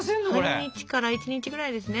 半日から１日ぐらいですね。